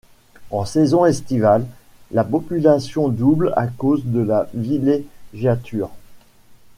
En saison estivale, la population double à cause de la villégiature.